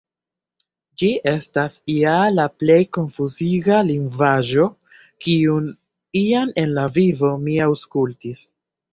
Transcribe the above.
Ĝi estas ja la plej konfuziga lingvaĵo kiun iam en la vivo mi aŭskultis.